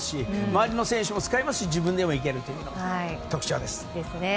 周りの選手も使いますし自分でも行けるのが特徴です。